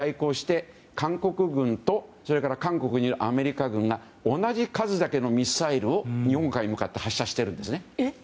そしたら、これに対抗して韓国軍と韓国にいるアメリカ軍が同じ数だけのミサイルを日本海に向かって発射しているんですね。